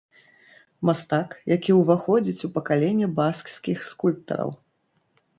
Мастак, які ўваходзіць у пакаленне баскскіх скульптараў.